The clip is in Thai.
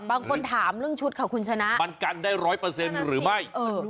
บางคนถามเรื่องชุดค่ะคุณชนะมันกันได้๑๐๐หรือไม่